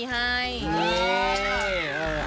อือะ